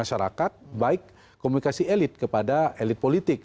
masyarakat baik komunikasi elit kepada elit politik